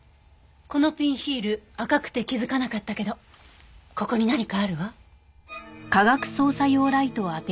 このピンヒール赤くて気づかなかったけどここに何かあるわ。